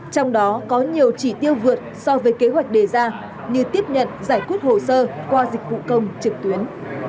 trong đó có nhiều chỉ tiêu vượt so với kế hoạch đề ra như tiếp nhận giải quyết hồ sơ qua dịch vụ công trực tuyến